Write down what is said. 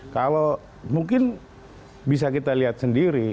kalau mungkin bisa kita lihat sendiri